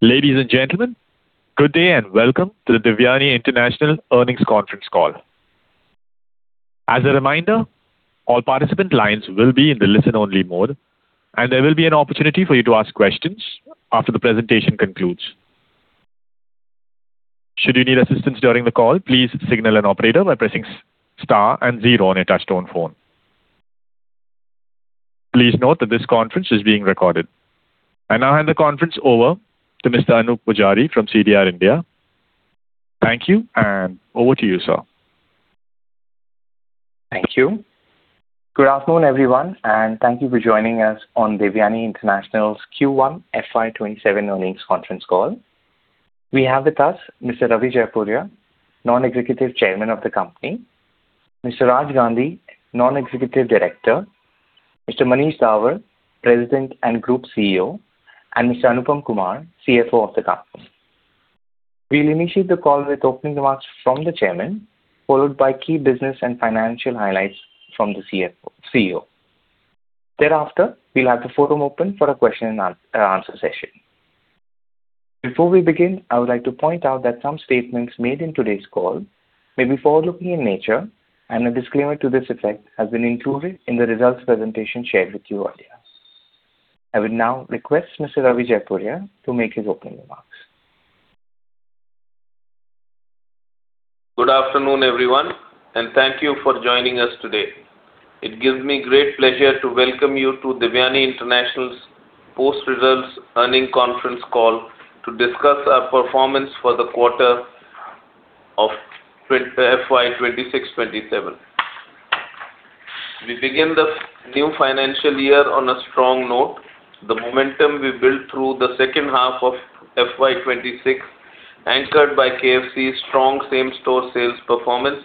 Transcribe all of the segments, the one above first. Ladies and gentlemen, good day and welcome to the Devyani International Earnings Conference Call. As a reminder, all participant lines will be in the listen-only mode, and there will be an opportunity for you to ask questions after the presentation concludes. Should you need assistance during the call, please signal an operator by pressing star and zero on your touch-tone phone. Please note that this conference is being recorded. I now hand the conference over to Mr. Anup Pujari from CDR India. Thank you, over to you, sir. Thank you. Good afternoon, everyone, and thank you for joining us on Devyani International's Q1 FY 2027 Earnings Conference Call. We have with us Mr. Ravi Jaipuria, Non-Executive Chairman of the company; Mr. Raj Gandhi, Non-Executive Director; Mr. Manish Dawar, President and Group CEO; and Mr. Anupam Kumar, CFO of the company. We'll initiate the call with opening remarks from the Chairman, followed by key business and financial highlights from the CEO. Thereafter, we'll have the forum open for a question and answer session. Before we begin, I would like to point out that some statements made in today's call may be forward-looking in nature, and a disclaimer to this effect has been included in the results presentation shared with you earlier. I would now request Mr. Ravi Jaipuria to make his opening remarks. Good afternoon, everyone, and thank you for joining us today. It gives me great pleasure to welcome you to Devyani International's post-results earning conference call to discuss our performance for the quarter of FY 2026/2027. We begin the new financial year on a strong note. The momentum we built through the second half of FY 2026, anchored by KFC's strong same-store sales performance,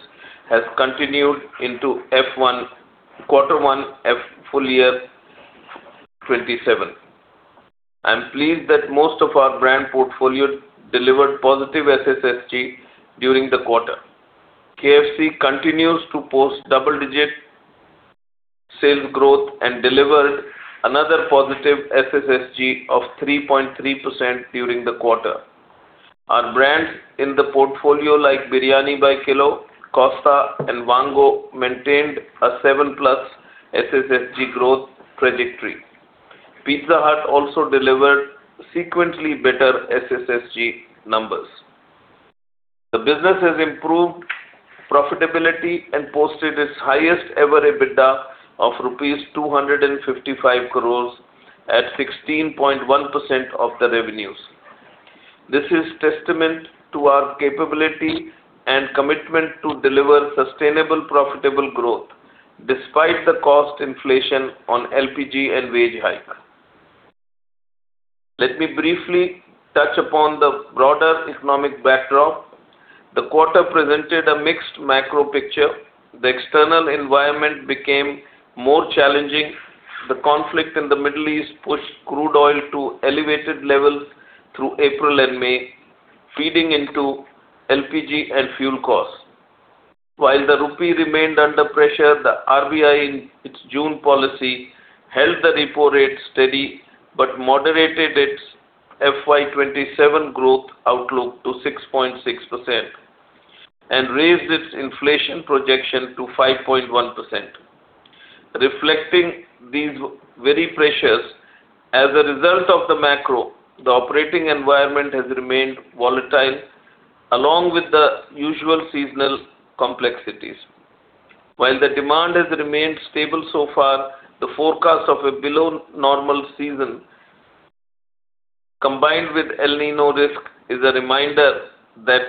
has continued into Q1 FY 2027. I'm pleased that most of our brand portfolio delivered positive SSSG during the quarter. KFC continues to post double-digit sales growth and delivered another positive SSSG of 3.3% during the quarter. Our brands in the portfolio, like Biryani By Kilo, Costa, and Vaango, maintained a 7%+ SSSG growth trajectory. Pizza Hut also delivered sequentially better SSSG numbers. The business has improved profitability and posted its highest ever EBITDA of INR 255 crore at 16.1% of the revenues. This is testament to our capability and commitment to deliver sustainable, profitable growth despite the cost inflation on LPG and wage hike. Let me briefly touch upon the broader economic backdrop. The quarter presented a mixed macro picture. The external environment became more challenging. The conflict in the Middle East pushed crude oil to elevated levels through April and May, feeding into LPG and fuel costs. While the rupee remained under pressure, the RBI, in its June policy, held the repo rate steady but moderated its FY 2027 growth outlook to 6.6% and raised its inflation projection to 5.1%, reflecting these very pressures. As a result of the macro, the operating environment has remained volatile, along with the usual seasonal complexities. While the demand has remained stable so far, the forecast of a below-normal season, combined with El Niño risk, is a reminder that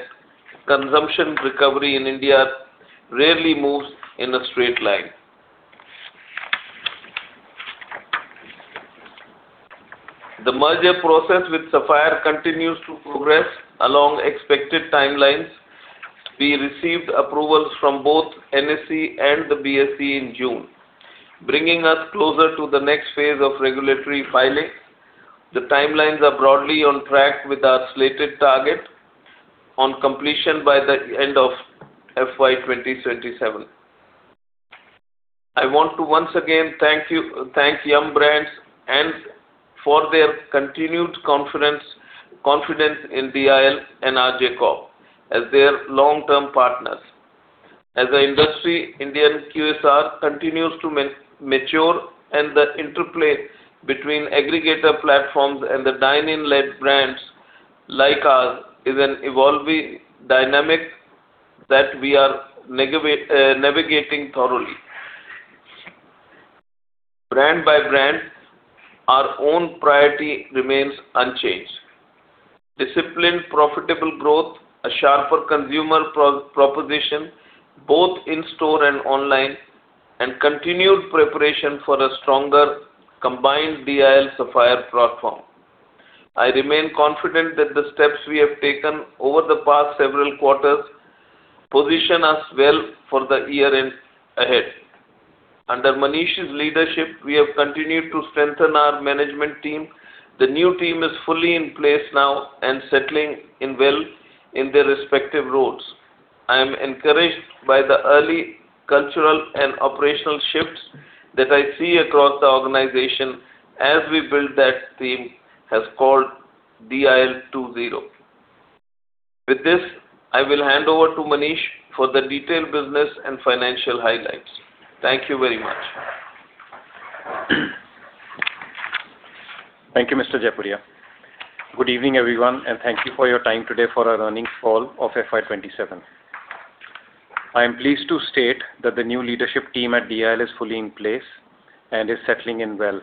consumption recovery in India rarely moves in a straight line. The merger process with Sapphire continues to progress along expected timelines. We received approvals from both NSE and the BSE in June, bringing us closer to the next phase of regulatory filings. The timelines are broadly on track with our slated target on completion by the end of FY 2027. I want to once again thank Yum Brands for their continued confidence in DIL and RJ Corp as their long-term partners. As an industry, Indian QSR continues to mature, and the interplay between aggregator platforms and the dine-in led brands like ours is an evolving dynamic that we are navigating thoroughly. Brand by brand, our own priority remains unchanged. Disciplined, profitable growth, a sharper consumer proposition, both in store and online, and continued preparation for a stronger combined DIL Sapphire platform. I remain confident that the steps we have taken over the past several quarters position us well for the year ahead. Under Manish's leadership, we have continued to strengthen our management team. The new team is fully in place now and settling in well in their respective roles. I am encouraged by the early cultural and operational shifts that I see across the organization as we build that theme as called DIL 2.0. With this, I will hand over to Manish for the detailed business and financial highlights. Thank you very much. Thank you, Mr. Jaipuria. Good evening, everyone, and thank you for your time today for our earnings call of FY 2027. I am pleased to state that the new leadership team at DIL is fully in place and is settling in well.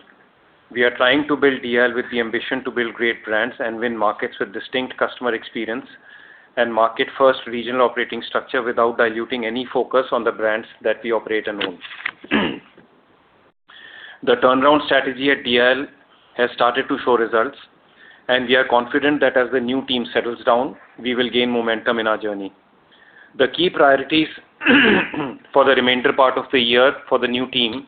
We are trying to build DIL with the ambition to build great brands and win markets with distinct customer experience and market first regional operating structure without diluting any focus on the brands that we operate and own. The turnaround strategy at DIL has started to show results. We are confident that as the new team settles down, we will gain momentum in our journey. The key priorities for the remainder part of the year for the new team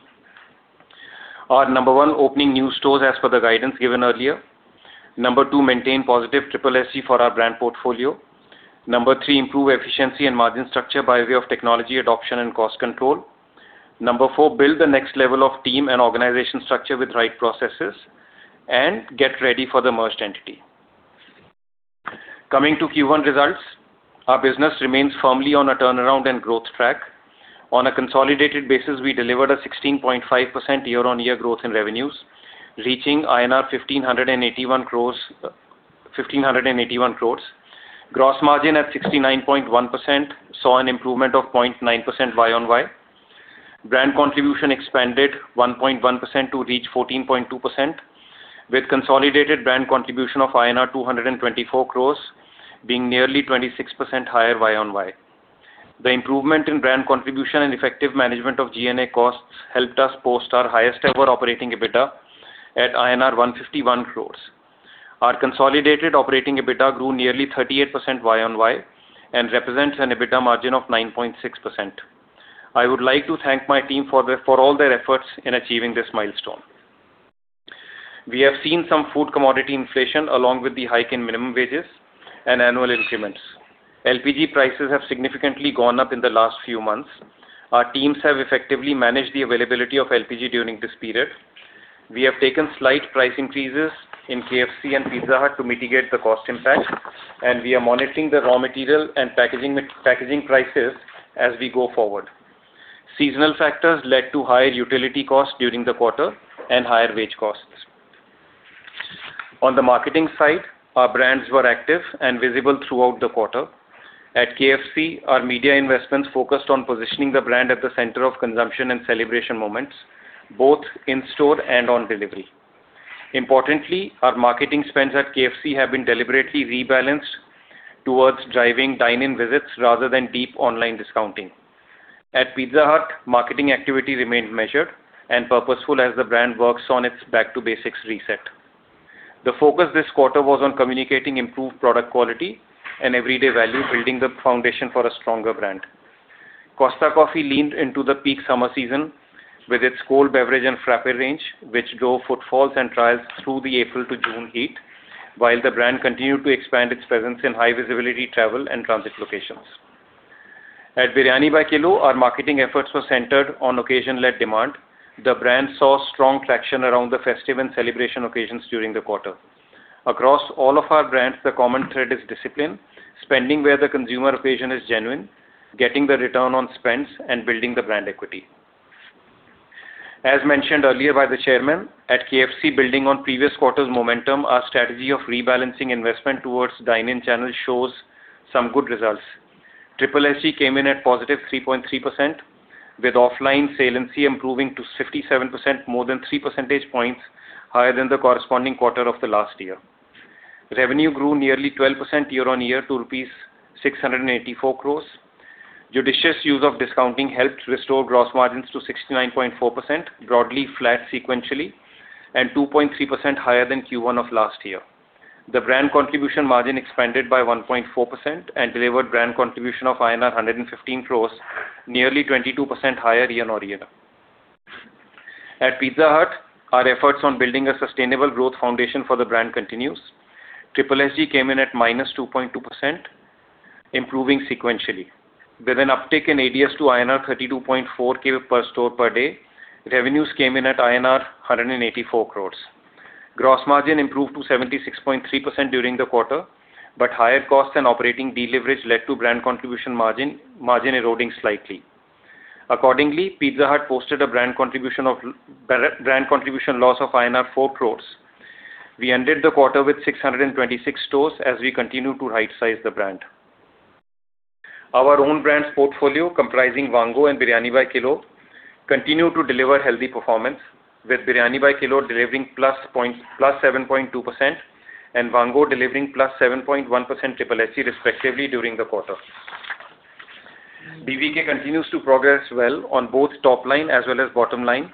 are, number one, opening new stores as per the guidance given earlier. Number two, maintain positive SSSG for our brand portfolio. Number three, improve efficiency and margin structure by way of technology adoption and cost control. Number four, build the next level of team and organization structure with right processes and get ready for the merged entity. Coming to Q1 results, our business remains firmly on a turnaround and growth track. On a consolidated basis, we delivered a 16.5% year-on-year growth in revenues, reaching 1,581 crores. Gross margin at 69.1% saw an improvement of 0.9% YoY. Brand contribution expanded 1.1% to reach 14.2%, with consolidated brand contribution of INR 224 crores, being nearly 26% higher YoY. The improvement in brand contribution and effective management of G&A costs helped us post our highest ever operating EBITDA at INR 151 crores. Our consolidated operating EBITDA grew nearly 38% YoY and represents an EBITDA margin of 9.6%. I would like to thank my team for all their efforts in achieving this milestone. We have seen some food commodity inflation along with the hike in minimum wages and annual increments. LPG prices have significantly gone up in the last few months. Our teams have effectively managed the availability of LPG during this period. We have taken slight price increases in KFC and Pizza Hut to mitigate the cost impact, and we are monitoring the raw material and packaging prices as we go forward. Seasonal factors led to higher utility costs during the quarter and higher wage costs. On the marketing side, our brands were active and visible throughout the quarter. At KFC, our media investments focused on positioning the brand at the center of consumption and celebration moments, both in store and on delivery. Importantly, our marketing spends at KFC have been deliberately rebalanced towards driving dine-in visits rather than deep online discounting. At Pizza Hut, marketing activity remained measured and purposeful as the brand works on its back to basics reset. The focus this quarter was on communicating improved product quality and everyday value, building the foundation for a stronger brand. Costa Coffee leaned into the peak summer season with its cold beverage and frappe range, which drove footfalls and trials through the April to June heat. While the brand continued to expand its presence in high visibility travel and transit locations. At Biryani By Kilo, our marketing efforts were centered on occasion-led demand. The brand saw strong traction around the festive and celebration occasions during the quarter. Across all of our brands, the common thread is discipline, spending where the consumer occasion is genuine, getting the return on spends, and building the brand equity. As mentioned earlier by the chairman, at KFC, building on previous quarter's momentum, our strategy of rebalancing investment towards dine-in channel shows some good results. SSSG came in at positive 3.3%, with offline saliency improving to 57%, more than 3 percentage points higher than the corresponding quarter of the last year. Revenue grew nearly 12% year-over-year to 684 crores rupees. Judicious use of discounting helped restore gross margins to 69.4%, broadly flat sequentially, and 2.3% higher than Q1 of last year. The brand contribution margin expanded by 1.4% and delivered brand contribution of INR 115 crores, nearly 22% higher year-over-year. At Pizza Hut, our efforts on building a sustainable growth foundation for the brand continues. SSSG came in at -2.2%, improving sequentially. With an uptick in ADS to INR 32,400 per store per day, revenues came in at INR 184 crores. Higher costs and operating deleverage led to brand contribution margin eroding slightly. Accordingly, Pizza Hut posted a brand contribution loss of INR 4 crores. We ended the quarter with 626 stores as we continue to rightsize the brand. Our own brands portfolio comprising Vaango and Biryani By Kilo continue to deliver healthy performance, with Biryani By Kilo delivering +7.2% and Vaango delivering +7.1% SSSG respectively during the quarter. BBK continues to progress well on both top line as well as bottom line,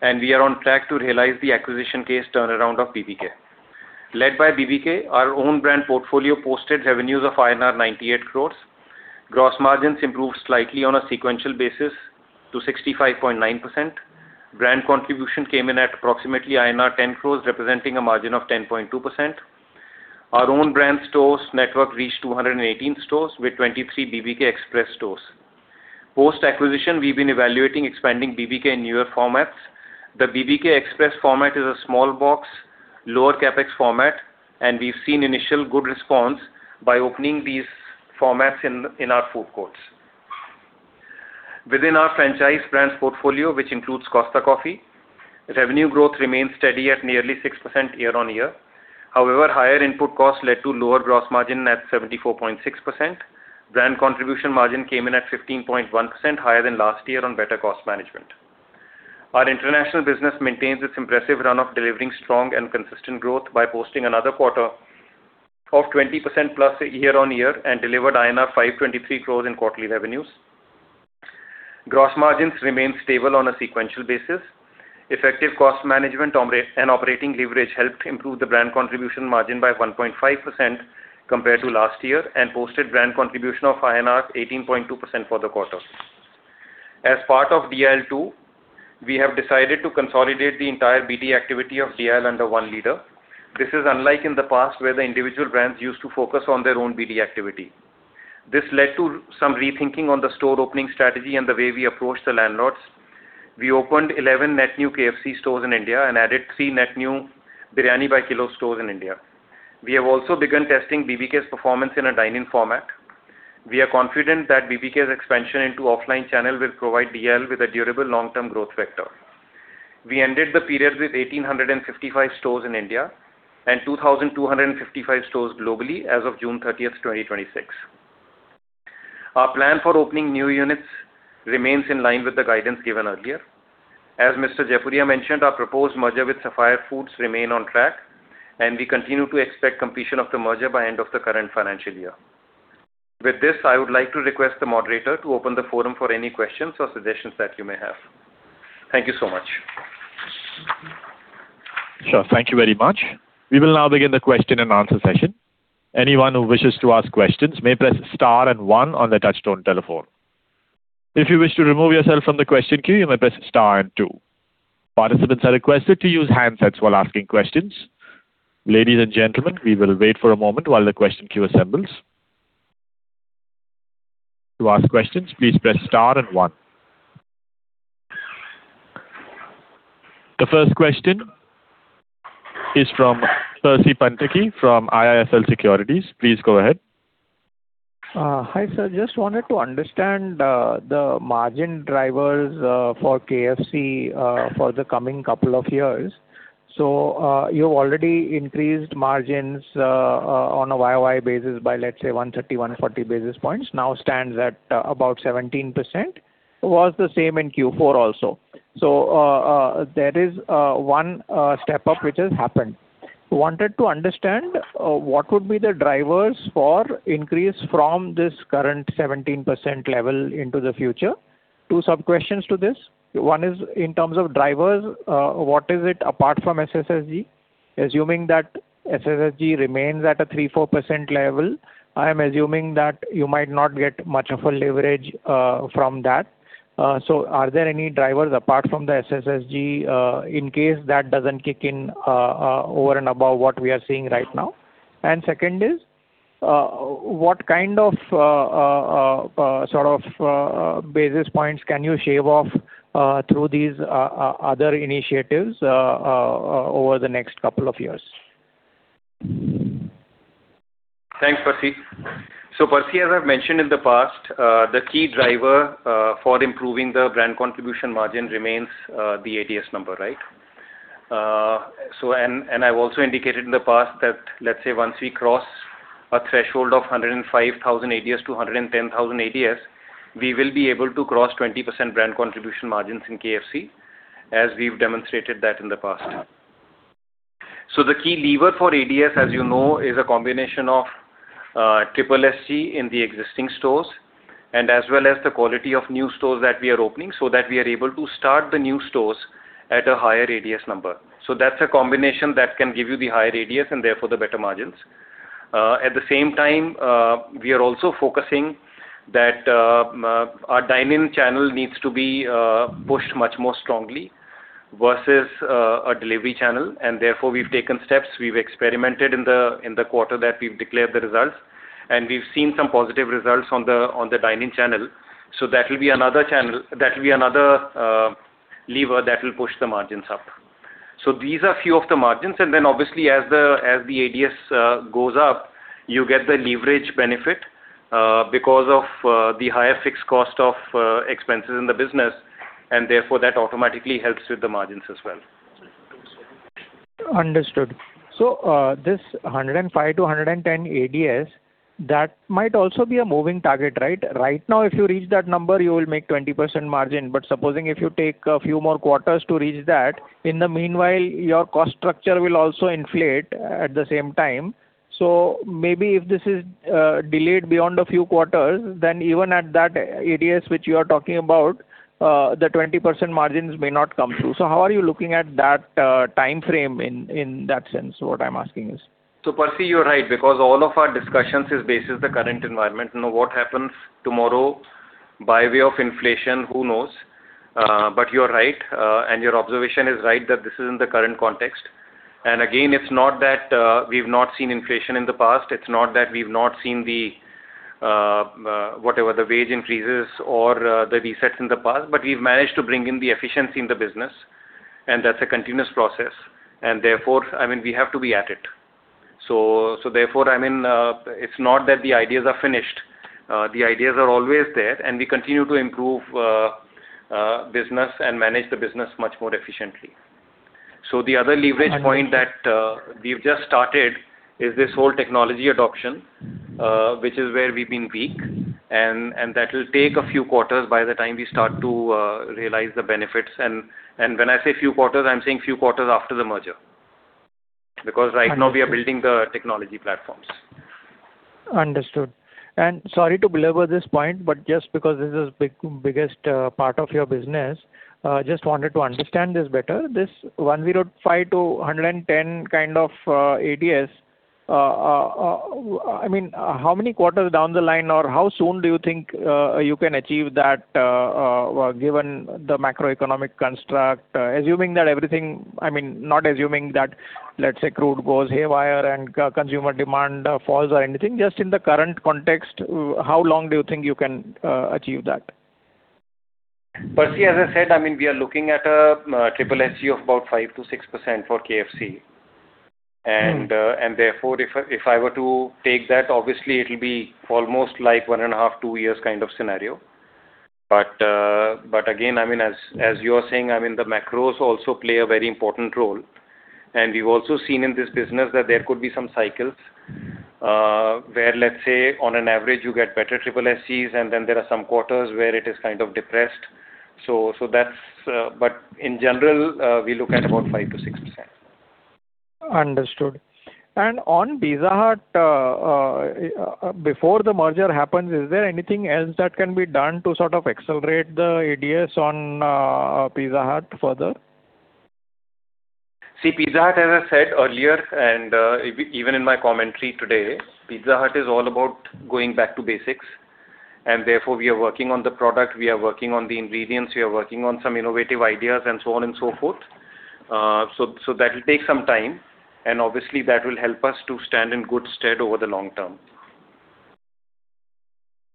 and we are on track to realize the acquisition case turnaround of BBK. Led by BBK, our own brand portfolio posted revenues of INR 98 crores. Gross margins improved slightly on a sequential basis to 65.9%. Brand contribution came in at approximately INR 10 crores, representing a margin of 10.2%. Our own brand stores network reached 218 stores with 23 BBK Express stores. Post-acquisition, we've been evaluating expanding BBK in newer formats. The BBK Express format is a small box, lower CapEx format, and we've seen initial good response by opening these formats in our food courts. Within our franchise brands portfolio, which includes Costa Coffee, revenue growth remains steady at nearly 6% year-on-year. However, higher input costs led to lower gross margin at 74.6%. Brand contribution margin came in at 15.1%, higher than last year on better cost management. Our international business maintains its impressive run of delivering strong and consistent growth by posting another quarter of 20% plus year-on-year and delivered INR 523 crores in quarterly revenues. Gross margins remained stable on a sequential basis. Effective cost management and operating leverage helped improve the brand contribution margin by 1.5% compared to last year and posted brand contribution of INR 18.2% for the quarter. As part of DIL 2.0, we have decided to consolidate the entire BD activity of DIL under one leader. This is unlike in the past where the individual brands used to focus on their own BD activity. This led to some rethinking on the store opening strategy and the way we approach the landlords. We opened 11 net new KFC stores in India and added three net new Biryani By Kilo stores in India. We have also begun testing BBK's performance in a dine-in format. We are confident that BBK's expansion into offline channel will provide DIL with a durable long-term growth vector. We ended the period with 1,855 stores in India and 2,255 stores globally as of June 30th, 2026. Our plan for opening new units remains in line with the guidance given earlier. As Mr. Jaipuria mentioned, our proposed merger with Sapphire Foods remain on track, and we continue to expect completion of the merger by end of the current financial year. With this, I would like to request the moderator to open the forum for any questions or suggestions that you may have. Thank you so much. Sure. Thank you very much. We will now begin the question and answer session. Anyone who wishes to ask questions may press star and one on their touch-tone telephone. If you wish to remove yourself from the question queue, you may press star and two. Participants are requested to use handsets while asking questions. Ladies and gentlemen, we will wait for a moment while the question queue assembles. To ask questions, please press star and one. The first question is from Percy Panthaki from IIFL Securities. Please go ahead. Hi, sir. Just wanted to understand the margin drivers for KFC for the coming couple of years. You've already increased margins on a year-over-year basis by, let's say, 130-140 basis points. Now stands at about 17%, was the same in Q4 also. There is one step up which has happened. Wanted to understand what would be the drivers for increase from this current 17% level into the future. Two sub-questions to this. One is in terms of drivers, what is it apart from SSSG? Assuming that SSSG remains at a 3%-4% level, I am assuming that you might not get much of a leverage from that. Are there any drivers apart from the SSSG in case that doesn't kick in over and above what we are seeing right now? Second is, what kind of basis points can you shave off through these other initiatives over the next couple of years? Thanks, Percy. Percy, as I've mentioned in the past, the key driver for improving the brand contribution margin remains the ADS number, right? I've also indicated in the past that, let's say once we cross a threshold of 105,000-110,000 ADS, we will be able to cross 20% brand contribution margins in KFC, as we've demonstrated that in the past. The key lever for ADS, as you know, is a combination of SSSG in the existing stores and as well as the quality of new stores that we are opening so that we are able to start the new stores at a higher ADS number. That's a combination that can give you the higher ADS and therefore the better margins. At the same time, we are also focusing that our dine-in channel needs to be pushed much more strongly versus our delivery channel. Therefore, we've taken steps. We've experimented in the quarter that we've declared the results, and we've seen some positive results on the dine-in channel. That will be another lever that will push the margins up. These are few of the margins, and then obviously as the ADS goes up, you get the leverage benefit because of the higher fixed cost of expenses in the business, and therefore that automatically helps with the margins as well. Understood. This 105-110 ADS, that might also be a moving target, right? Right now, if you reach that number, you will make 20% margin. Supposing if you take a few more quarters to reach that, in the meanwhile, your cost structure will also inflate at the same time. Maybe if this is delayed beyond a few quarters, then even at that ADS which you are talking about, the 20% margins may not come through. How are you looking at that timeframe in that sense, what I'm asking is? Percy, you're right because all of our discussions is based as the current environment. Now what happens tomorrow by way of inflation, who knows? You're right, and your observation is right, that this is in the current context. Again, it's not that we've not seen inflation in the past, it's not that we've not seen the wage increases or the resets in the past, but we've managed to bring in the efficiency in the business, and that's a continuous process. Therefore, we have to be at it. Therefore, it's not that the ideas are finished. The ideas are always there, and we continue to improve business and manage the business much more efficiently. The other leverage point that we've just started is this whole technology adoption, which is where we've been weak, and that will take a few quarters by the time we start to realize the benefits. When I say few quarters, I'm saying a few quarters after the merger. Because right now we are building the technology platforms. Understood. Sorry to belabor this point, just because this is biggest part of your business, just wanted to understand this better. This 105-110 kind of ADS, how many quarters down the line, or how soon do you think you can achieve that given the macroeconomic construct? Not assuming that, let's say, crude goes haywire and consumer demand falls or anything, just in the current context, how long do you think you can achieve that? Percy, as I said, we are looking at a SSSG of about 5%-6% for KFC. Therefore, if I were to take that, obviously it'll be almost like one and a half, two years kind of scenario. Again, as you're saying, the macros also play a very important role. We've also seen in this business that there could be some cycles where, let's say, on an average, you get better SSSGs, then there are some quarters where it is kind of depressed. In general, we look at about 5%-6%. Understood. On Pizza Hut, before the merger happens, is there anything else that can be done to sort of accelerate the ADS on Pizza Hut further? See, Pizza Hut, as I said earlier, even in my commentary today, Pizza Hut is all about going back to basics. Therefore, we are working on the product, we are working on the ingredients, we are working on some innovative ideas and so on and so forth. That will take some time, obviously that will help us to stand in good stead over the long term.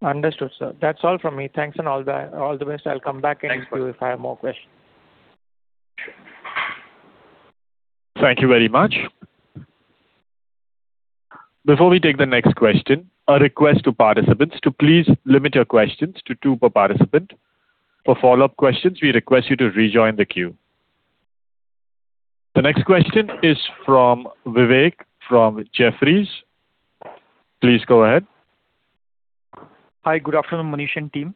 Understood, sir. That's all from me. Thanks, and all the best. I'll come back and ask you- Thanks. If I have more questions. Thank you very much. Before we take the next question, a request to participants to please limit your questions to two per participant. For follow-up questions, we request you to rejoin the queue. The next question is from Vivek from Jefferies. Please go ahead. Hi, good afternoon, Manish and team.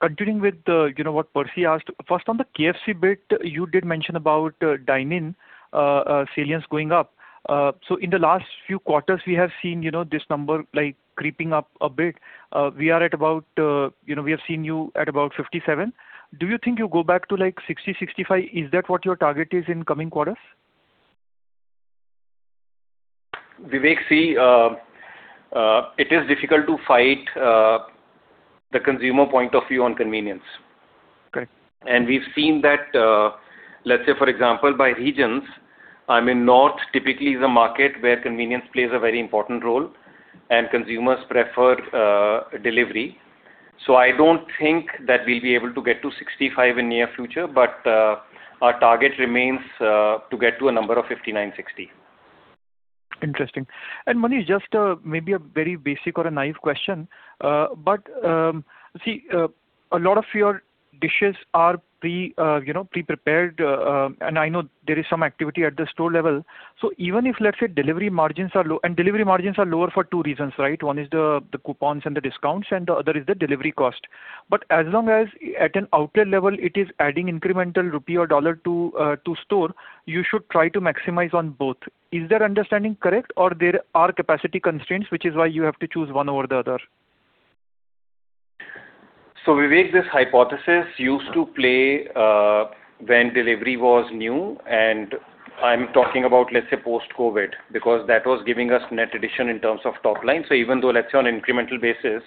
Continuing with what Percy asked, first on the KFC bit, you did mention about dine-in salience going up. In the last few quarters we have seen this number creeping up a bit. We have seen you at about 57. Do you think you'll go back to like 60, 65? Is that what your target is in coming quarters? Vivek, see, it is difficult to fight the consumer point of view on convenience. Okay. We've seen that, let's say for example, by regions, North typically is a market where convenience plays a very important role and consumers prefer delivery. I don't think that we'll be able to get to 65 in near future, but our target remains to get to a number of 59, 60. Interesting. Manish, just maybe a very basic or a naïve question. See, a lot of your dishes are pre-prepared. I know there is some activity at the store level. Delivery margins are lower for two reasons, right? One is the coupons and the discounts, and the other is the delivery cost. As long as at an outlet level it is adding incremental rupee or dollar to store, you should try to maximize on both. Is that understanding correct? Are there capacity constraints, which is why you have to choose one over the other? Vivek, this hypothesis used to play when delivery was new and I'm talking about, let's say, post-COVID, because that was giving us net addition in terms of top line. Even though, let's say on an incremental basis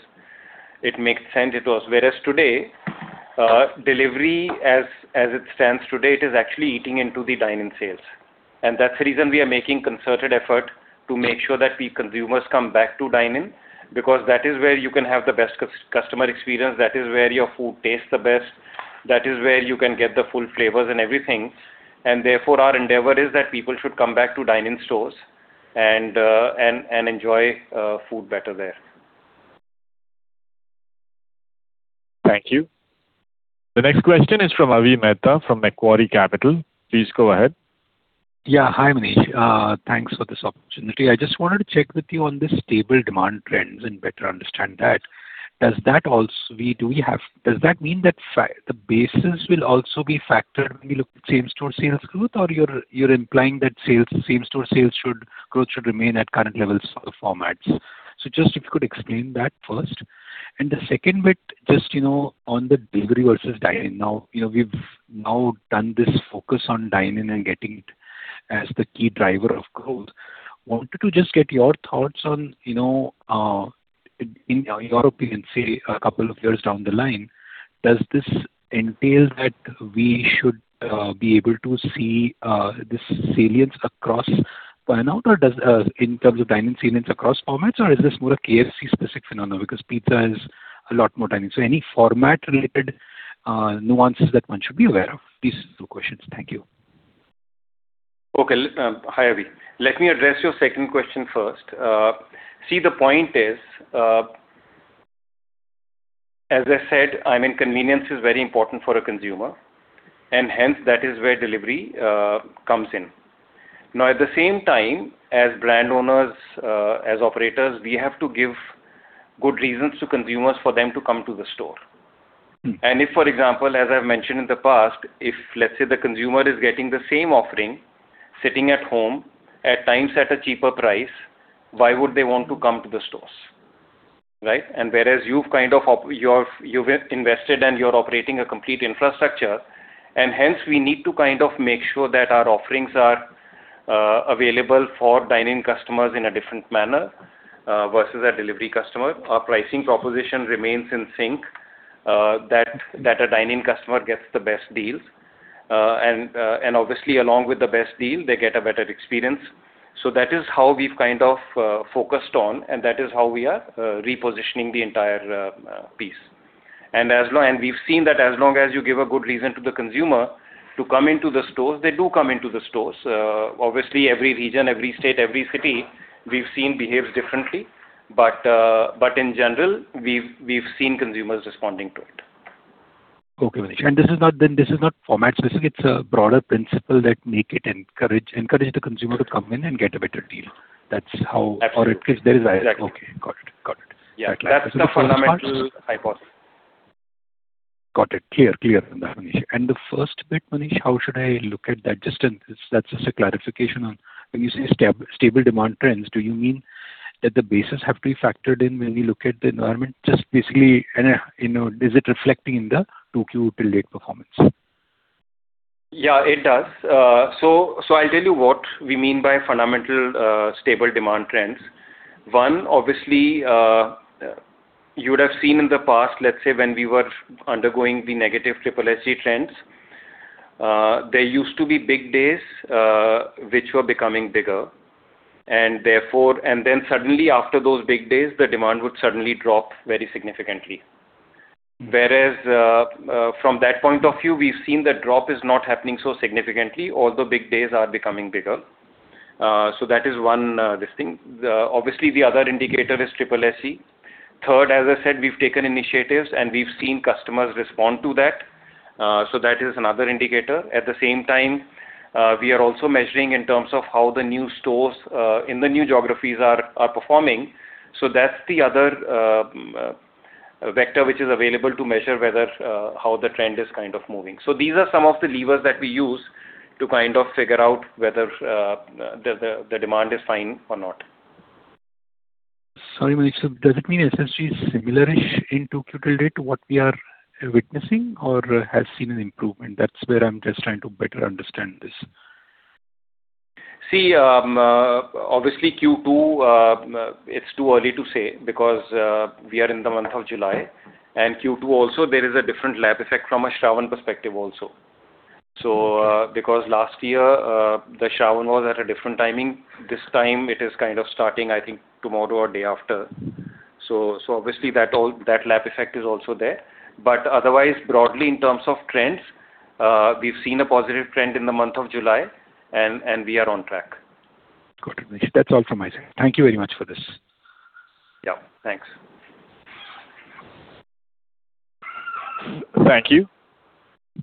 it makes sense it was. Today, delivery as it stands today, it is actually eating into the dine-in sales. That's the reason we are making concerted effort to make sure that the consumers come back to dine-in because that is where you can have the best customer experience. That is where your food tastes the best. That is where you can get the full flavors and everything. Therefore our endeavor is that people should come back to dine-in stores and enjoy food better there. Thank you. The next question is from Avi Mehta, from Macquarie Capital. Please go ahead. Hi, Manish. Thanks for this opportunity. I just wanted to check with you on the stable demand trends and better understand that. Does that mean that the basis will also be factored when you look at same-store sales growth? Or you're implying that same-store sales growth should remain at current levels for formats? Just if you could explain that first. The second bit, just on the delivery versus dine-in. Now done this focus on dine-in and getting it as the key driver of growth. Wanted to just get your thoughts on, in your opinion, say, a couple of years down the line, does this entail that we should be able to see this salience across by an hour in terms of dine-in salience across formats, or is this more a KFC specific phenomenon? Because pizza has a lot more dine-in. Any format related nuances that one should be aware of? These two questions. Thank you. Okay. Hi, Avi. Let me address your second question first. See, the point is, as I said, dine-in convenience is very important for a consumer, and hence that is where delivery comes in. At the same time as brand owners, as operators, we have to give good reasons to consumers for them to come to the store. If, for example, as I've mentioned in the past, if let's say the consumer is getting the same offering sitting at home, at times at a cheaper price, why would they want to come to the stores, right? Whereas you've invested and you're operating a complete infrastructure, and hence we need to make sure that our offerings are available for dine-in customers in a different manner versus a delivery customer. Our pricing proposition remains in sync that a dine-in customer gets the best deals. Obviously, along with the best deal, they get a better experience. That is how we've focused on, and that is how we are repositioning the entire piece. We've seen that as long as you give a good reason to the consumer to come into the stores, they do come into the stores. Obviously, every region, every state, every city, we've seen behaves differently. In general, we've seen consumers responding to it. Okay, Manish. This is not format specific, it's a broader principle that make it encourage the consumer to come in and get a better deal. Absolutely. At least there is. Okay. Got it. Yeah. That's the fundamental hypothesis. Got it. Clear, Manish. The first bit, Manish, how should I look at that? That's just a clarification on when you say stable demand trends, do you mean that the bases have to be factored in when we look at the environment? Just basically, is it reflecting in the 2Q till date performance? Yeah, it does. I'll tell you what we mean by fundamental stable demand trends. One, obviously, you would have seen in the past, let's say when we were undergoing the negative SSSG trends, there used to be big days, which were becoming bigger. Then suddenly after those big days, the demand would suddenly drop very significantly. Whereas, from that point of view, we've seen the drop is not happening so significantly, although big days are becoming bigger. That is one this thing. Obviously, the other indicator is SSSG. Third, as I said, we've taken initiatives, and we've seen customers respond to that. That is another indicator. At the same time, we are also measuring in terms of how the new stores in the new geographies are performing. That's the other vector which is available to measure whether how the trend is kind of moving. These are some of the levers that we use to kind of figure out whether the demand is fine or not. Sorry, Manish. Does it mean SSSG is similar-ish in 2Q till date to what we are witnessing or has seen an improvement? That's where I'm just trying to better understand this. Obviously Q2, it's too early to say because we are in the month of July, and Q2 also, there is a different lap effect from a Shravan perspective also. Because last year, the Shravan was at a different timing. This time it is kind of starting, I think, tomorrow or day after. Obviously that lap effect is also there. Otherwise, broadly in terms of trends, we've seen a positive trend in the month of July, and we are on track. Got it, Manish. That's all from my side. Thank you very much for this. Thanks. Thank you.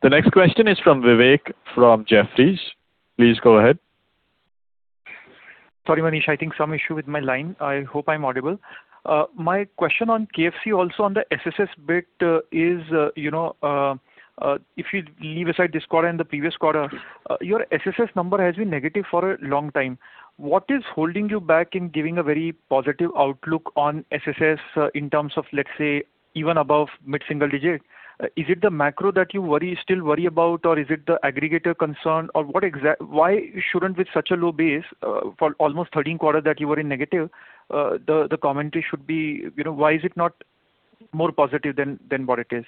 The next question is from Vivek from Jefferies. Please go ahead. Sorry, Manish, I think some issue with my line. I hope I'm audible. My question on KFC also on the SSSG bit is, if you leave aside this quarter and the previous quarter, your SSSG number has been negative for a long time. What is holding you back in giving a very positive outlook on SSSG in terms of, let's say, even above mid-single digit? Is it the macro that you still worry about, or is it the aggregator concern? Why shouldn't, with such a low base for almost 13 quarters that you were in negative, the commentary should be, why is it not more positive than what it is?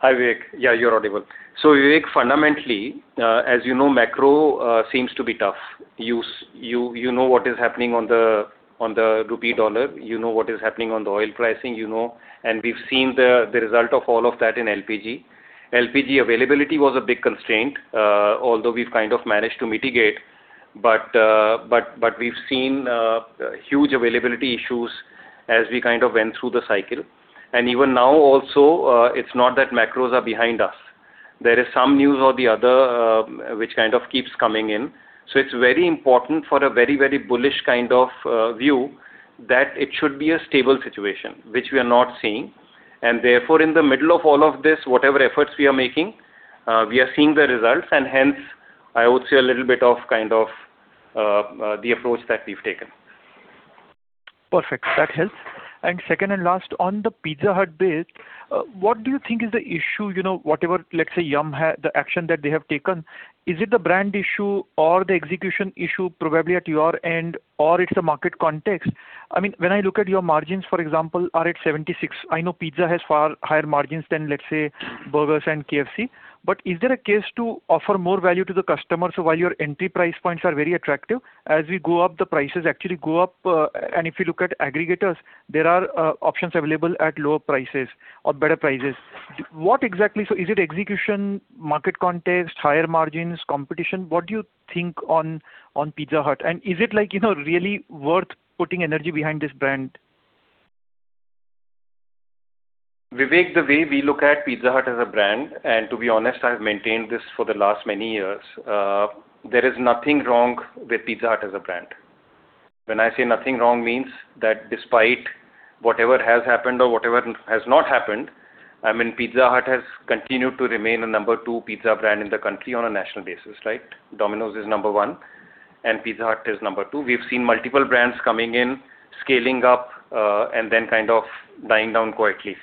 Hi, Vivek. Yeah, you're audible. Vivek, fundamentally, as you know, macro seems to be tough. You know what is happening on the rupee dollar, you know what is happening on the oil pricing, you know. We've seen the result of all of that in LPG. LPG availability was a big constraint, although we've kind of managed to mitigate. We've seen huge availability issues as we kind of went through the cycle. Even now also, it's not that macros are behind us. There is some news or the other, which kind of keeps coming in. It's very important for a very bullish kind of view that it should be a stable situation, which we are not seeing. Therefore, in the middle of all of this, whatever efforts we are making, we are seeing the results, and hence I would say a little bit of kind of the approach that we've taken. Perfect. That helps. Second and last, on the Pizza Hut bit, what do you think is the issue? Whatever, let's say, Yum!, the action that they have taken, is it the brand issue or the execution issue probably at your end, or it's the market context? When I look at your margins, for example, are at 76%. I know Pizza Hut has far higher margins than, let's say, burgers and KFC. Is there a case to offer more value to the customers while your entry price points are very attractive? As we go up, the prices actually go up, and if you look at aggregators, there are options available at lower prices or better prices. Is it execution, market context, higher margins, competition? What do you think on Pizza Hut? Is it really worth putting energy behind this brand? Vivek, the way we look at Pizza Hut as a brand, to be honest, I've maintained this for the last many years, there is nothing wrong with Pizza Hut as a brand. When I say nothing wrong means that despite whatever has happened or whatever has not happened, Pizza Hut has continued to remain the number two pizza brand in the country on a national basis. Domino's is number 1, and Pizza Hut is number two. We've seen multiple brands coming in, scaling up, and then kind of dying down quietly.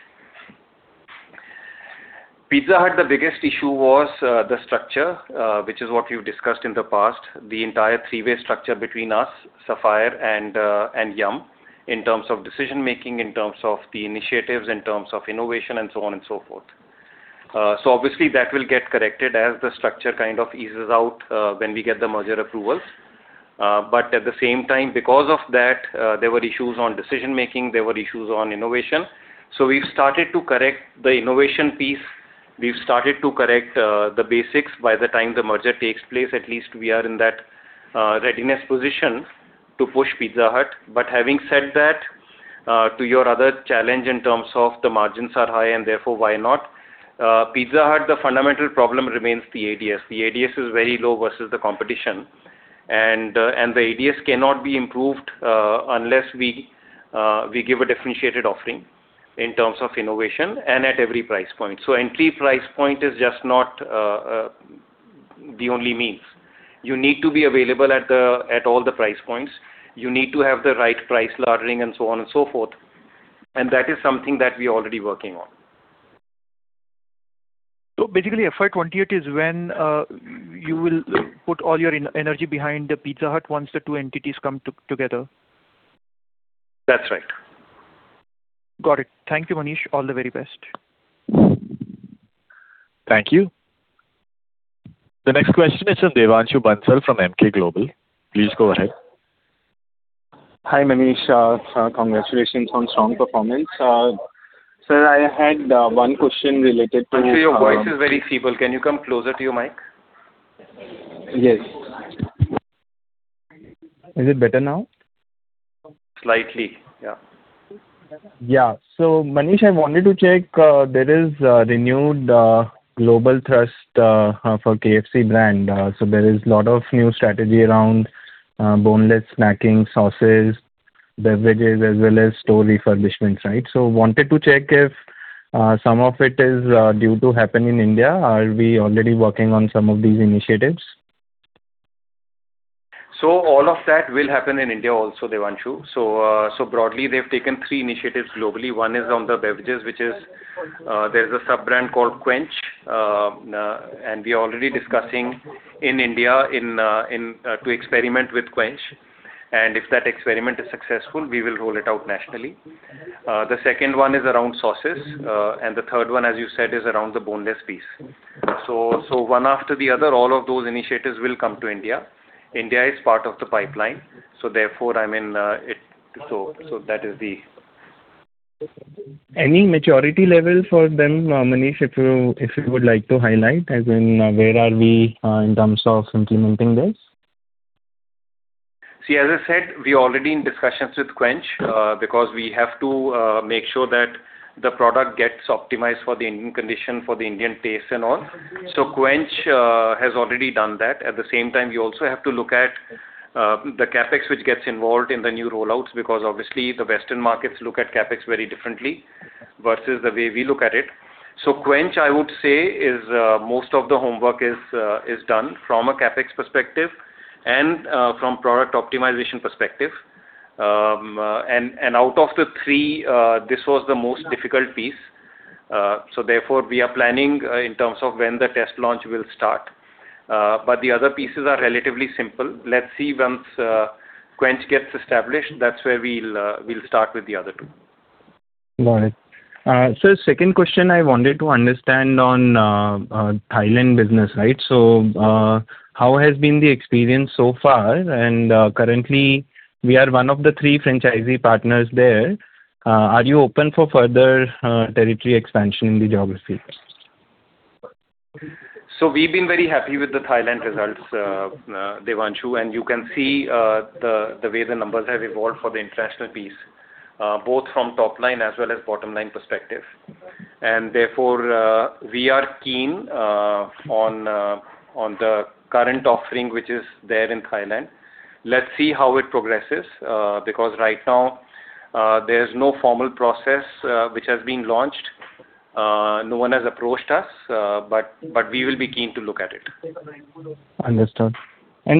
Pizza Hut, the biggest issue was the structure, which is what we've discussed in the past, the entire three-way structure between us, Sapphire and Yum! in terms of decision making, in terms of the initiatives, in terms of innovation, and so on and so forth. Obviously that will get corrected as the structure kind of eases out when we get the merger approvals. At the same time, because of that, there were issues on decision making, there were issues on innovation. We've started to correct the innovation piece. We've started to correct the basics. By the time the merger takes place, at least we are in that readiness position to push Pizza Hut. Having said that, to your other challenge in terms of the margins are high and therefore why not, Pizza Hut, the fundamental problem remains the ADS. The ADS is very low versus the competition, and the ADS cannot be improved unless we give a differentiated offering in terms of innovation and at every price point. Entry price point is just not the only means. You need to be available at all the price points. You need to have the right price laddering and so on and so forth, that is something that we are already working on. Basically, FY28 is when you will put all your energy behind Pizza Hut once the two entities come together? That's right. Got it. Thank you, Manish. All the very best. Thank you. The next question is from Devanshu Bansal of Emkay Global. Please go ahead. Hi, Manish. Congratulations on strong performance. Sir, I had one question related to- Actually, your voice is very feeble. Can you come closer to your mic? Yes. Is it better now? Slightly. Yeah. Manish, I wanted to check, there is a renewed global thrust for KFC brand. There is lot of new strategy around boneless snacking, sauces, beverages, as well as store refurbishments. Wanted to check if some of it is due to happen in India. Are we already working on some of these initiatives? All of that will happen in India also, Devanshu. Broadly, they've taken three initiatives globally. One is on the beverages, which is there's a sub-brand called Kwench, and we are already discussing in India to experiment with Kwench. If that experiment is successful, we will roll it out nationally. The second one is around sauces, and the third one, as you said, is around the boneless piece. One after the other, all of those initiatives will come to India. India is part of the pipeline. Any maturity level for them, Manish, if you would like to highlight, as in where are we in terms of implementing this? As I said, we're already in discussions with Kwench because we have to make sure that the product gets optimized for the Indian condition, for the Indian taste and all. Kwench has already done that. At the same time, we also have to look at the CapEx which gets involved in the new rollouts because obviously the Western markets look at CapEx very differently versus the way we look at it. Kwench, I would say, most of the homework is done from a CapEx perspective and from product optimization perspective. Out of the three, this was the most difficult piece. Therefore, we are planning in terms of when the test launch will start. The other pieces are relatively simple. Let's see once Kwench gets established, that's where we'll start with the other two. Got it. Sir, second question I wanted to understand on Thailand business. How has been the experience so far? Currently we are one of the three franchisee partners there. Are you open for further territory expansion in the geography? We've been very happy with the Thailand results, Devanshu, and you can see the way the numbers have evolved for the international piece, both from top line as well as bottom line perspective. Therefore, we are keen on the current offering, which is there in Thailand. Let's see how it progresses because right now there's no formal process which has been launched No one has approached us, but we will be keen to look at it. Understood.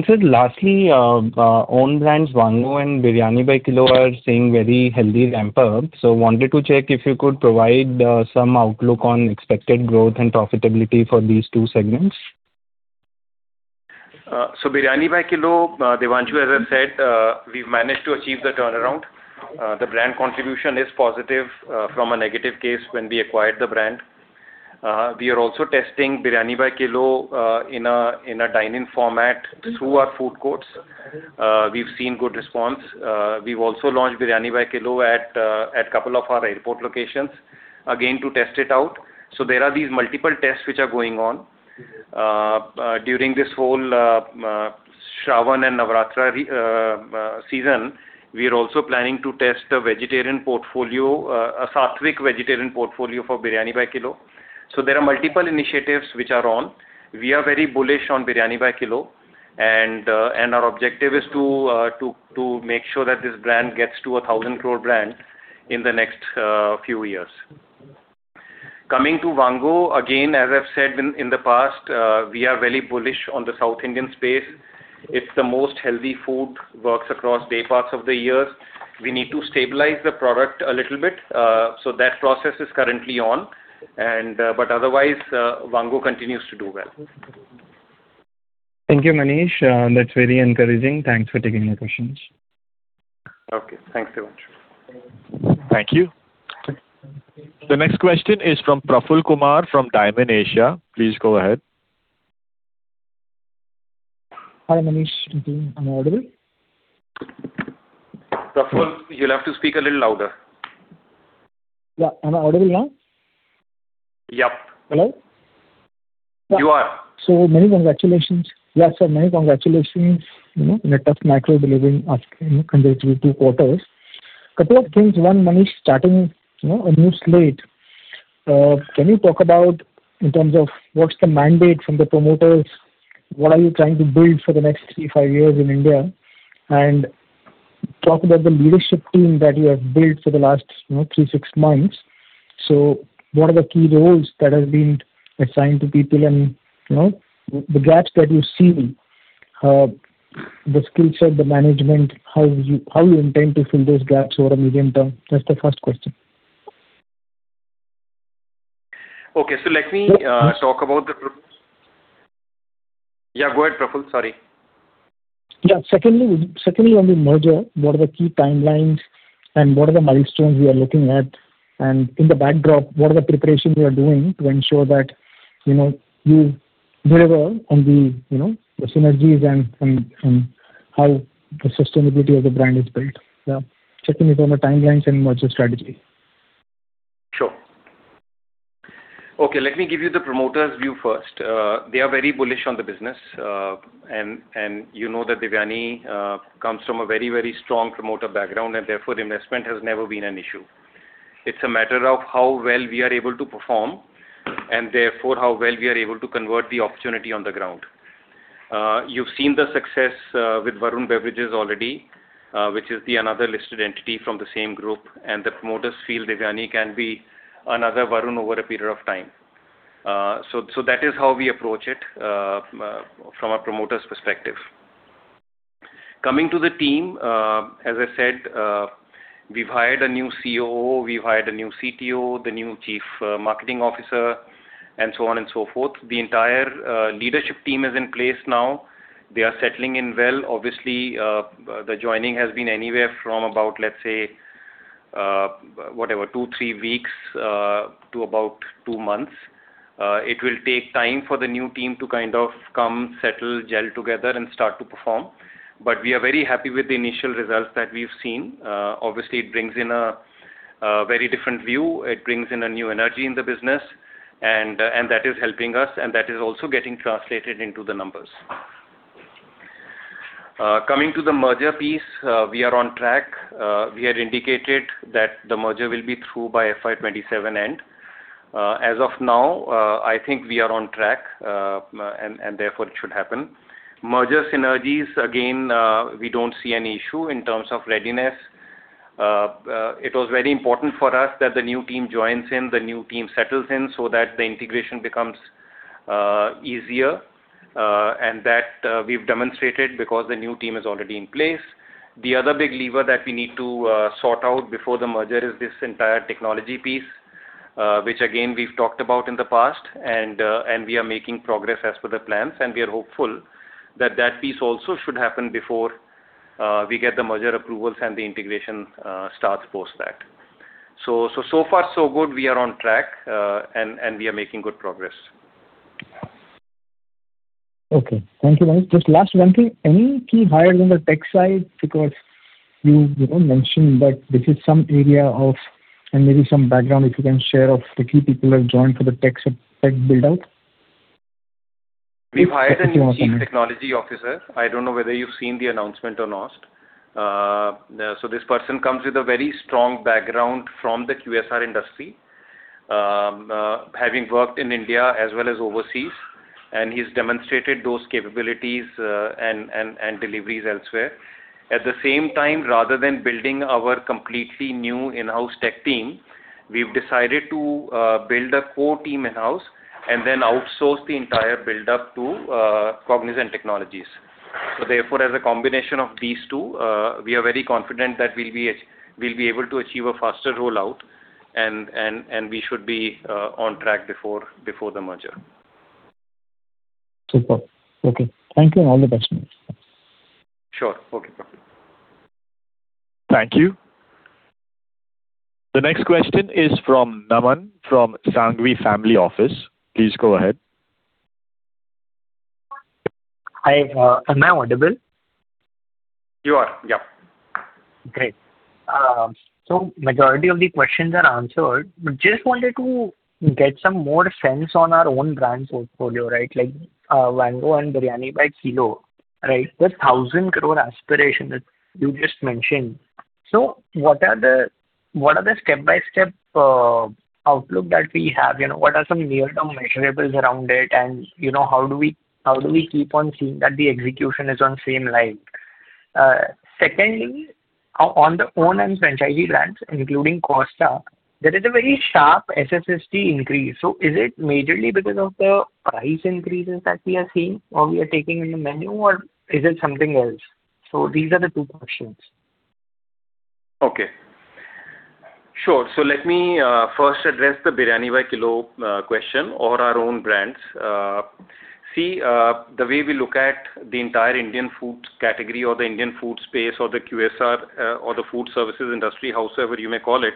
Sir, lastly, own brands Vaango and Biryani By Kilo are seeing very healthy ramp-up. Wanted to check if you could provide some outlook on expected growth and profitability for these two segments. Biryani By Kilo, Devanshu, as I said, we've managed to achieve the turnaround. The brand contribution is positive from a negative case when we acquired the brand. We are also testing Biryani By Kilo in a dine-in format through our food courts. We've seen good response. We've also launched Biryani By Kilo at a couple of our airport locations, again, to test it out. There are these multiple tests which are going on. During this whole Shravan and Navaratri season, we are also planning to test a Sattvic vegetarian portfolio for Biryani By Kilo. There are multiple initiatives which are on. We are very bullish on Biryani By Kilo, and our objective is to make sure that this brand gets to a 1,000 crore brand in the next few years. Coming to Vaango, again, as I've said in the past, we are very bullish on the South Indian space. It's the most healthy food, works across day parts of the year. We need to stabilize the product a little bit, so that process is currently on. Otherwise, Vaango continues to do well. Thank you, Manish. That's very encouraging. Thanks for taking the questions. Okay. Thanks, Devanshu. Thank you. The next question is from Praful Kumar from Dymon Asia. Please go ahead. Hi, Manish. Good evening. Am I audible? Praful, you'll have to speak a little louder. Yeah. Am I audible now? Yep. Hello. You are. Many congratulations. Yeah, sir, many congratulations in a tough macro delivering consecutive two quarters. Couple of things. One, Manish starting a new slate. Can you talk about in terms of what's the mandate from the promoters? What are you trying to build for the next three, five years in India? Talk about the leadership team that you have built for the last three, six months. What are the key roles that have been assigned to people and the gaps that you see, the skill set, the management, how you intend to fill those gaps over a medium-term? That's the first question. Okay. Let me talk about the. Yeah, go ahead, Praful. Sorry. Yeah. Secondly, on the merger, what are the key timelines and what are the milestones we are looking at? In the backdrop, what are the preparations you are doing to ensure that you deliver on the synergies and how the sustainability of the brand is built? Yeah. Secondly is on the timelines and merger strategy. Sure. Okay. Let me give you the promoter's view first. They are very bullish on the business. You know that Devyani comes from a very strong promoter background, and therefore investment has never been an issue. It's a matter of how well we are able to perform, and therefore how well we are able to convert the opportunity on the ground. You've seen the success with Varun Beverages already, which is another listed entity from the same group. The promoters feel Devyani can be another Varun over a period of time. That is how we approach it from a promoter's perspective. Coming to the team, as I said, we've hired a new COO, we've hired a new CTO, the new Chief Marketing Officer, and so on and so forth. The entire leadership team is in place now. They are settling in well. Obviously, the joining has been anywhere from about, let's say, whatever, two, three weeks to about two months. It will take time for the new team to kind of come, settle, gel together, and start to perform. We are very happy with the initial results that we've seen. Obviously, it brings in a very different view. It brings in a new energy in the business. That is helping us, and that is also getting translated into the numbers. Coming to the merger piece, we are on track. We had indicated that the merger will be through by FY 2027 end. As of now, I think we are on track. Therefore, it should happen. Merger synergies, again, we don't see any issue in terms of readiness. It was very important for us that the new team joins in, the new team settles in, so that the integration becomes easier. That we've demonstrated because the new team is already in place. The other big lever that we need to sort out before the merger is this entire technology piece, which again, we've talked about in the past. We are making progress as per the plans, and we are hopeful that piece also should happen before we get the merger approvals and the integration starts post that. So far so good. We are on track, and we are making good progress. Okay. Thank you, Manish. Just last one thing. Any key hires on the tech side? You don't mention, but this is some area of, and maybe some background if you can share of the key people who have joined for the tech build-out. We've hired a new Chief Technology Officer. I don't know whether you've seen the announcement or not. This person comes with a very strong background from the QSR industry, having worked in India as well as overseas. He's demonstrated those capabilities and deliveries elsewhere. At the same time, rather than building our completely new in-house tech team, we've decided to build a core team in-house and then outsource the entire buildup to Cognizant Technologies. Therefore, as a combination of these two, we are very confident that we'll be able to achieve a faster rollout, and we should be on track before the merger. Super. Okay. Thank you, and all the best. Sure. Okay. Thank you. The next question is from Naman from Sanghvi Family Office. Please go ahead. Hi, am I audible? You are, yeah. Great. Majority of the questions are answered, but just wanted to get some more sense on our own brands portfolio, like Vaango and Biryani By Kilo. The 1,000 crore aspiration that you just mentioned. What are the step-by-step outlook that we have? What are some near-term measurables around it, and how do we keep on seeing that the execution is on the same line? Secondly, on the own and franchisee brands, including Costa, there is a very sharp SSSG increase. Is it majorly because of the price increases that we are seeing or we are taking in the menu, or is it something else? These are the two questions. Okay. Sure. Let me first address the Biryani By Kilo question or our own brands. The way we look at the entire Indian foods category or the Indian food space or the QSR or the food services industry, howsoever you may call it,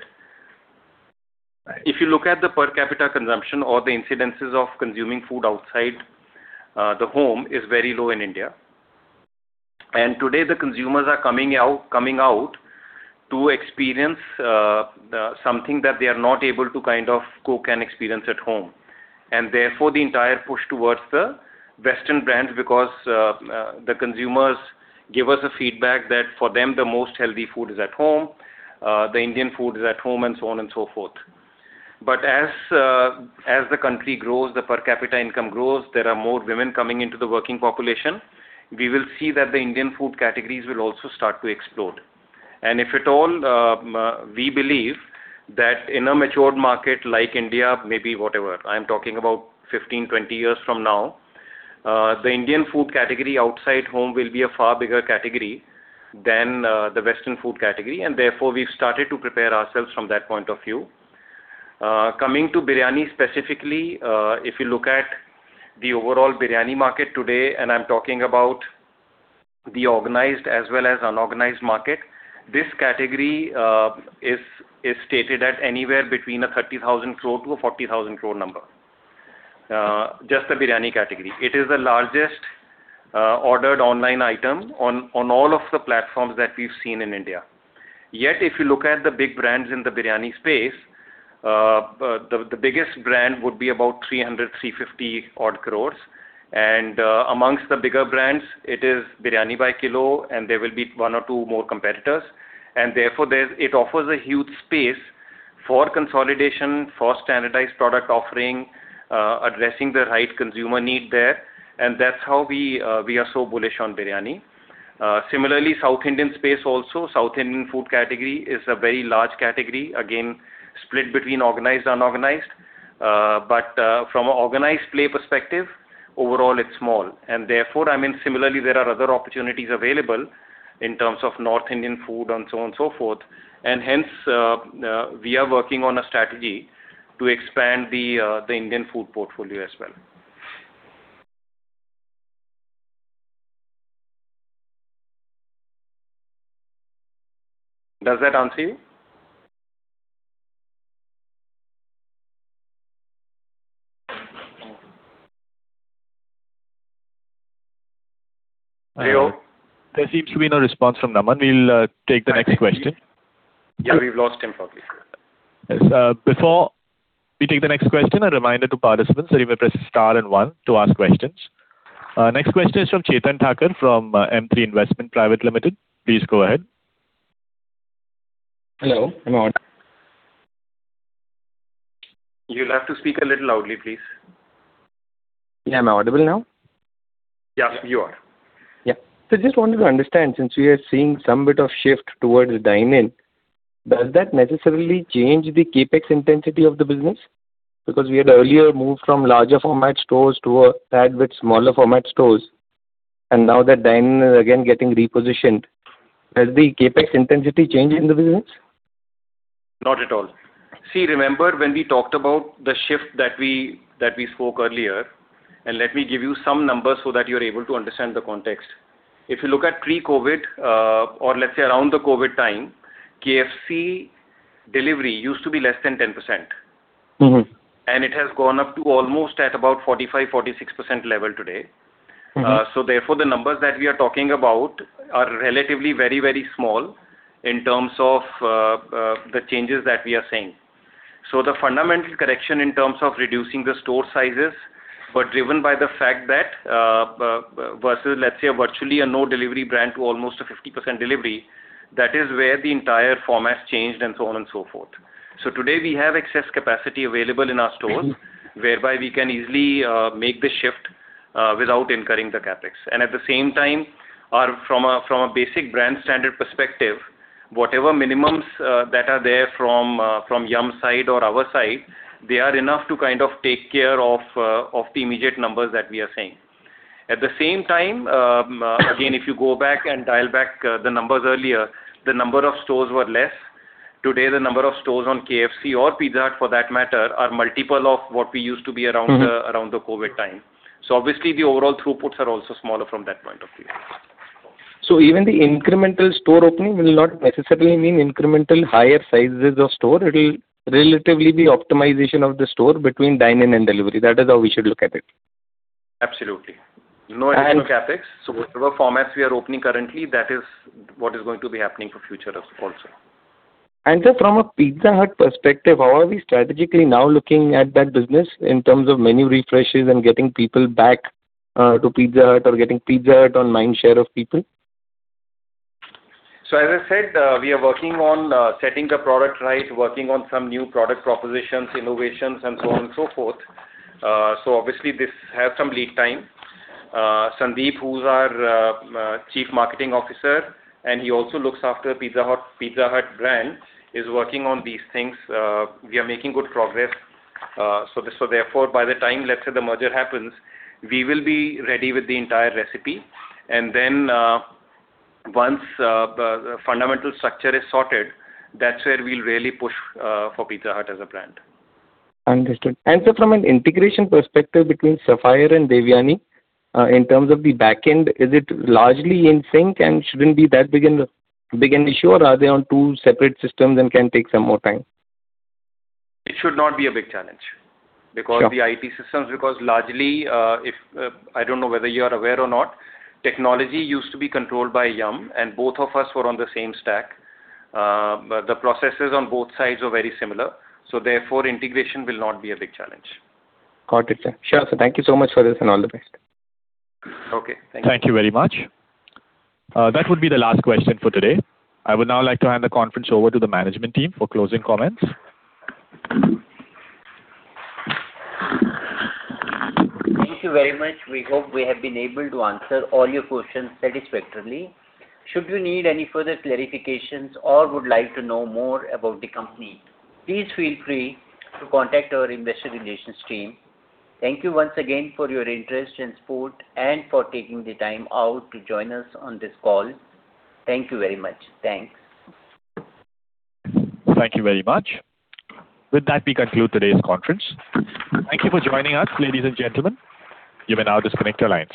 if you look at the per capita consumption or the incidences of consuming food outside the home is very low in India. Today the consumers are coming out to experience something that they are not able to cook and experience at home. Therefore, the entire push towards the Western brands because the consumers give us a feedback that for them the most healthy food is at home, the Indian food is at home, and so on and so forth. As the country grows, the per capita income grows, there are more women coming into the working population, we will see that the Indian food categories will also start to explode. If at all, we believe that in a mature market like India, maybe whatever, I'm talking about 15, 20 years from now, the Indian food category outside home will be a far bigger category than the Western food category. Therefore, we've started to prepare ourselves from that point of view. Coming to biryani specifically, if you look at the overall biryani market today, and I'm talking about the organized as well as unorganized market, this category is stated at anywhere between 30,000 crore to 40,000 crore. Just the biryani category. It is the largest ordered online item on all of the platforms that we've seen in India. Yet, if you look at the big brands in the biryani space, the biggest brand would be about 300 crore-350 crore odd. Amongst the bigger brands, it is Biryani By Kilo, and there will be one or two more competitors. Therefore, it offers a huge space for consolidation, for standardized product offering, addressing the right consumer need there, and that's how we are so bullish on biryani. Similarly, South Indian space also. South Indian food category is a very large category, again, split between organized, unorganized. From an organized play perspective, overall it's small. Therefore, similarly, there are other opportunities available in terms of North Indian food and so on so forth. Hence, we are working on a strategy to expand the Indian food portfolio as well. Does that answer you? Hello? There seems to be no response from Naman. We'll take the next question. Yeah, we've lost him probably. Yes. Before we take the next question, a reminder to participants that you may press star and one to ask questions. Next question is from Chetan Thakur from M3 Investment Private Limited. Please go ahead. Hello, am I on? You will have to speak a little loudly, please. Yeah, am I audible now? Yes, you are. Just wanted to understand, since we are seeing some bit of shift towards dine-in, does that necessarily change the CapEx intensity of the business? Because we had earlier moved from larger format stores to a tad bit smaller format stores, and now that dine-in is again getting repositioned, has the CapEx intensity changed in the business? Not at all. See, remember when we talked about the shift that we spoke earlier, let me give you some numbers so that you're able to understand the context. If you look at pre-COVID, or let's say around the COVID time, KFC delivery used to be less than 10%. It has gone up to almost at about 45%, 46% level today. Therefore, the numbers that we are talking about are relatively very, very small in terms of the changes that we are seeing. The fundamental correction in terms of reducing the store sizes were driven by the fact that Versus, let's say, virtually a no delivery brand to almost a 50% delivery. That is where the entire format changed, and so on and so forth. Today, we have excess capacity available in our stores, whereby we can easily make the shift without incurring the CapEx. At the same time, from a basic brand standard perspective, whatever minimums that are there from Yum's side or our side, they are enough to kind of take care of the immediate numbers that we are saying. At the same time, again, if you go back and dial back the numbers earlier, the number of stores were less. Today, the number of stores on KFC or Pizza Hut, for that matter, are multiple of what we used to be around the COVID time. Obviously, the overall throughputs are also smaller from that point of view. Even the incremental store opening will not necessarily mean incremental higher sizes of store. It'll relatively be optimization of the store between dine-in and delivery. That is how we should look at it. Absolutely. No additional CapEx. Whatever formats we are opening currently, that is what is going to be happening for future also. Just from a Pizza Hut perspective, how are we strategically now looking at that business in terms of menu refreshes and getting people back to Pizza Hut or getting Pizza Hut on mind share of people? As I said, we are working on setting the product right, working on some new product propositions, innovations, and so on and so forth. Obviously, this has some lead time. Sandeep, who's our Chief Marketing Officer, and he also looks after Pizza Hut brand, is working on these things. We are making good progress. Therefore, by the time, let's say, the merger happens, we will be ready with the entire recipe. Then, once the fundamental structure is sorted, that's where we'll really push for Pizza Hut as a brand. Understood. From an integration perspective between Sapphire and Devyani, in terms of the back end, is it largely in sync and shouldn't be that big an issue? Or are they on two separate systems and can take some more time? It should not be a big challenge because the IT systems, because largely, I don't know whether you are aware or not, technology used to be controlled by Yum, and both of us were on the same stack. The processes on both sides were very similar. Therefore, integration will not be a big challenge. Got it, sir. Sure. Thank you so much for this, and all the best. Okay. Thank you. Thank you very much. That would be the last question for today. I would now like to hand the conference over to the management team for closing comments. Thank you very much. We hope we have been able to answer all your questions satisfactorily. Should you need any further clarifications or would like to know more about the company, please feel free to contact our investor relations team. Thank you once again for your interest and support, and for taking the time out to join us on this call. Thank you very much. Thanks. Thank you very much. With that, we conclude today's conference. Thank you for joining us, ladies and gentlemen. You may now disconnect your lines.